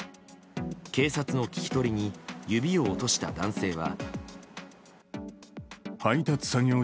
警察の聞き取りに指を落とした男性は。